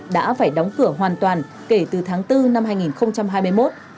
đã phải đóng cửa hoàn toàn kể từ tháng bốn năm hai nghìn hai mươi một